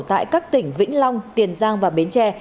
tại các tỉnh vĩnh long tiền giang và bến tre